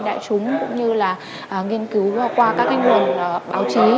thông tin đại chúng cũng như là nghiên cứu qua các kênh nguồn báo chí